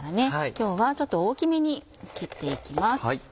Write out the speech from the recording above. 今日はちょっと大きめに切っていきます。